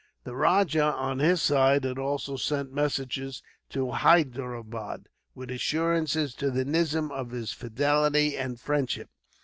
The rajah, on his side, had also sent messengers to Hyderabad, with assurances to the nizam of his fidelity and friendship.